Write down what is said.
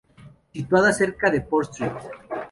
Situada cerca de Port St.